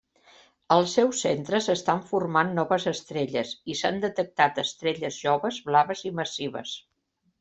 Al seu centre s'estan formant noves estrelles i s'han detectat estrelles joves blaves i massives.